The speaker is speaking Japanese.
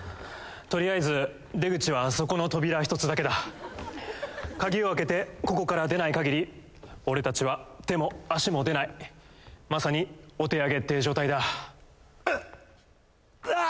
とりあえず出口はあそこの扉一つだけだ鍵を開けてここから出ないかぎり俺たちは手も足も出ないまさにお手上げって状態だうっうわ